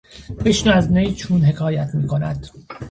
بشنو از نی چون حکایت میکند...